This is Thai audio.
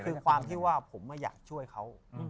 คือความที่ว่าผมอยากช่วยเขา